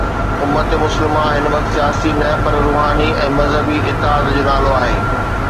امت مسلمه هن وقت سياسي نه پر روحاني ۽ مذهبي اتحاد جو نالو آهي.